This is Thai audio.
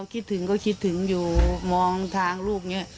ถ้าคิดถึงก็คิดถึงอยู่มองทางรูปนี้